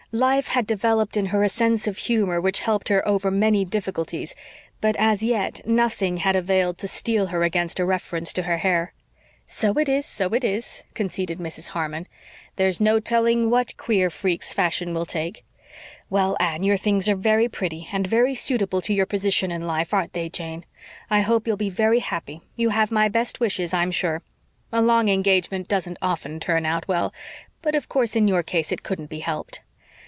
Life had developed in her a sense of humor which helped her over many difficulties; but as yet nothing had availed to steel her against a reference to her hair. "So it is so it is," conceded Mrs. Harmon. "There's no telling what queer freaks fashion will take. Well, Anne, your things are very pretty, and very suitable to your position in life, aren't they, Jane? I hope you'll be very happy. You have my best wishes, I'm sure. A long engagement doesn't often turn out well. But, of course, in your case it couldn't be helped."